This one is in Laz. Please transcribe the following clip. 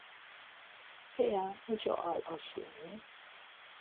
Heya muç̆o ar aslani?